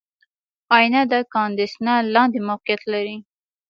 آئینه د کاندنسر لاندې موقعیت لري.